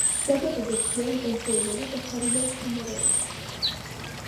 ნაგებობა მთლიანად დანგრეულია და დაფარულია მცენარეებით.